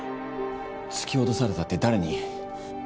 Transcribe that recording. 突き落とされたって誰に？